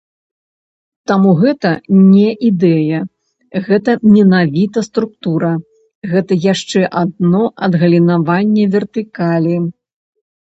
Таму гэта не ідэя, гэта менавіта структура, гэта яшчэ адно адгалінаванне вертыкалі.